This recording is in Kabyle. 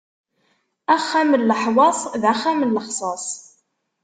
Axxam n leḥwaṣ, d axxam n lexṣas.